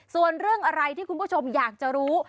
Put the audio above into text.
ส่วนเรื่องอะไรที่คุณผู้ชมอยากจะรู้